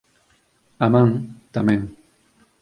A man, tamén.